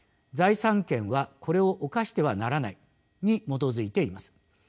「財産権はこれを侵してはならない」に基づいています。